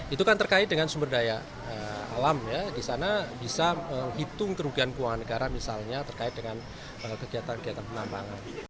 itu kan terkait dengan sumber daya alam ya di sana bisa menghitung kerugian keuangan negara misalnya terkait dengan kegiatan kegiatan penambangan